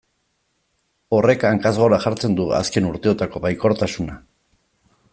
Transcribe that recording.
Horrek hankaz gora jartzen du azken urteotako baikortasuna.